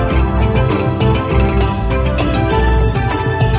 โชว์สี่ภาคจากอัลคาซ่าครับ